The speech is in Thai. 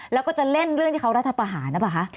แล้วก็จะเล่นเรื่องที่เขารัฐประหารหรือเปล่าคะ